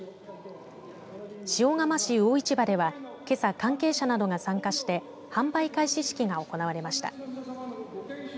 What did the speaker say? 塩釜市魚市場ではけさ関係者などが参加して販売開始式が行われました。